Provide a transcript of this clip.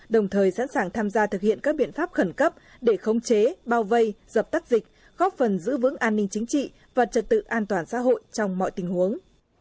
đồng thời sẵn sàng tham gia thực hiện các biện pháp khẩn cấp để khống chế bao vây dập tắt dịch góp phần giữ vững an ninh chính trị và trật tự an toàn xã hội trong mọi tình huống